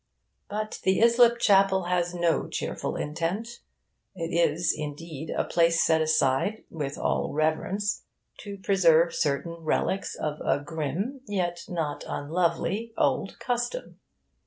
But the Islip Chapel has no cheerful intent. It is, indeed, a place set aside, with all reverence, to preserve certain relics of a grim, yet not unlovely, old custom.